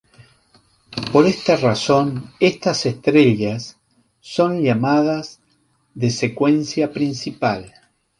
Por esta razón, estas estrellas son llamadas "de secuencia principal".